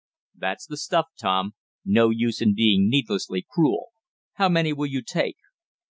"That's the stuff, Tom. No use in being needlessly cruel. How many will you take?"